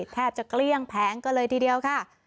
แทบจะเกลี้ยงแผงก็เลยทีเดียวค่ะ